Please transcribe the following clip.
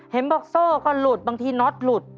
เห็นบอกโซ่ก็หลุดบางทีน็อตหลุด